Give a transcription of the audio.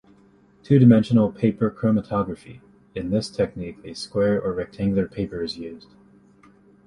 Two-Dimensional Paper Chromatography-In this technique a square or rectangular paper is used.